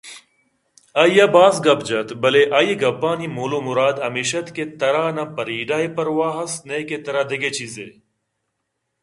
آئی ءَباز گپ جت بلئے آئی ءِ گپانی مول ءُ مراد ہمش اَت کہ ترا نہ فریڈا ءِ پرواہ است نئیکہ دگہ چیزے ئے